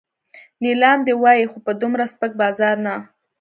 نیلام دې وای خو په دومره سپک بازار نه.